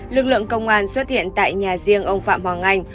lực lượng công an xuất hiện tại nhà riêng ông phạm hoàng anh